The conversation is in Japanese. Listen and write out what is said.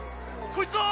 こいつは。